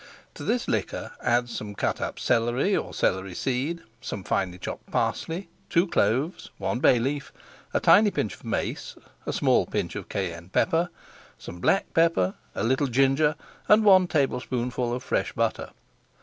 To this liquor add some cut up celery or celery seed, some finely chopped parsley, two cloves, one bay leaf, a tiny pinch of mace, a small pinch of cayenne pepper, some black pepper, a little ginger, and one tablespoonful of fresh butter.